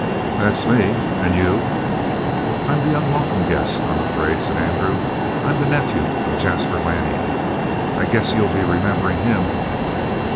"That's me. And you?" "I'm the unwelcome guest, I'm afraid," said Andrew. "I'm the nephew of Jasper Lanning. I guess you'll be remembering him?"